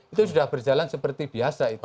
itu sudah berjalan seperti biasa itu